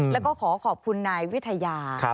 แล้วก็ขอขอบคุณนายวิทยา